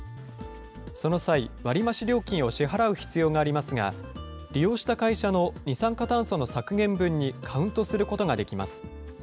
その際、割り増し料金を支払う必要がありますが、利用した会社の二酸化炭素の削減分にカウントすることができます。